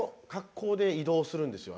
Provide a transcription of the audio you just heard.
あの格好で移動するんですよ。